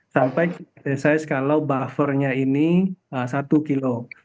sampai size kalau buffernya ini satu kilo